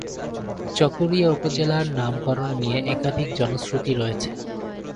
চকরিয়া উপজেলার নামকরণ নিয়ে একাধিক জনশ্রুতি রয়েছে।